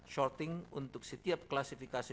shorting untuk setiap klasifikasi